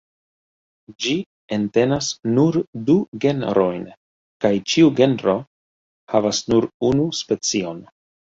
Ĝi entenas nur du genrojn, kaj ĉiu genro havas nur unu specion.